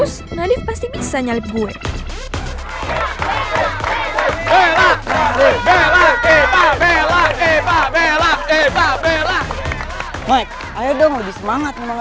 kamu dia nanya peraturannya bagaimana caranya